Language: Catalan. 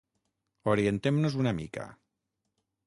Orientem-nos una mica.